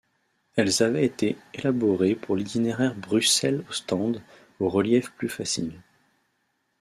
Elles avaient été élaborées pour l’itinéraire Bruxelles-Ostende au relief plus facile.